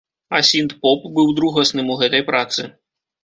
А сінт-поп быў другасным у гэтай працы.